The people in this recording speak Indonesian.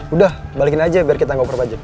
udah balikin aja biar kita ngoprof aja